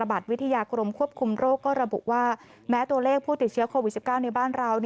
บอกว่าแม้ตัวเลขผู้ติดเชื้อโควิด๑๙ในบ้านเรา